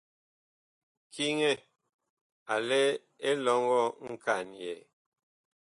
Kiŋɛ a lɛ elɔŋgɔ nkanyɛɛ.